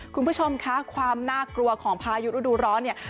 คุณผู้ชมคะความน่ากลัวของพายุฤดูร้อนเนี่ย